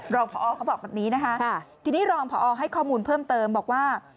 รองพอเขาบอกแบบนี้นะคะทีนี้รองพอให้ข้อมูลเพิ่มเติมบอกว่า